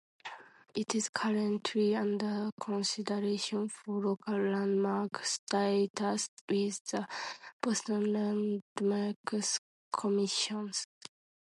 It is currently under consideration for local landmark status with the Boston Landmarks Commission.